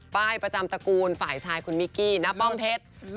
ป้ายประจำตระกูลฝ่ายชายคุณมิกกี้น้าป้อมเพชร